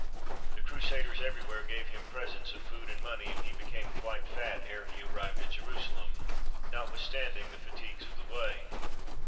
The Crusaders every where gave him presents of food and money, and he became quite fat ere he arrived at Jerusalem, notwithstanding the fatigues of the way.